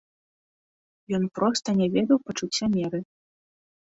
Ён проста не ведаў пачуцця меры.